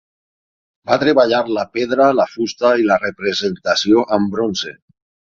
Va treballar la pedra, la fusta i la representació amb bronze.